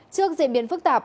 trước diễn biến phức tạp